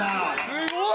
すごい！